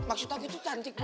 maksud aku itu cantik